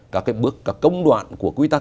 các công đoạn của quy tắc